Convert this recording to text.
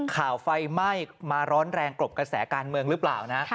ไฟไหม้มาร้อนแรงกลบกระแสการเมืองหรือเปล่านะ